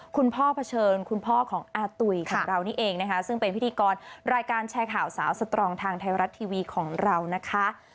พ่อเผชิญคุณพ่อของอาตุ๋ยของเรานี่เองนะคะซึ่งเป็นพิธีกรรายการแชร์ข่าวสาวสตรองทางไทยรัฐทีวีของเรานะคะ